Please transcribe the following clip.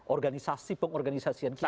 organisasi pengorganisasian kita